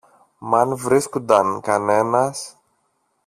Μ' αν βρίσκουνταν κανένας.